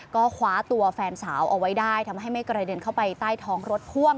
ก็คว้าตัวแฟนสาวเอาไว้ได้ทำให้ไม่กระเด็นเข้าไปใต้ท้องรถพ่วง